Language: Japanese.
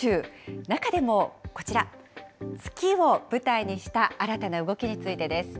中でもこちら、月を舞台にした新たな動きについてです。